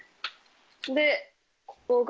でここが。